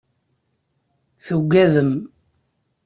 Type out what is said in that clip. Tuggadem.